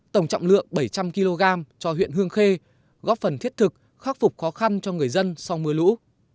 tổng trọng lượng bảy trăm linh kg cho huyện hương khê góp phần thiết thực khắc phục khó khăn cho người dân sau mưa lũ